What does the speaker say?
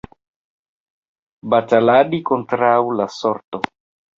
Bataladi kontraŭ la sorto.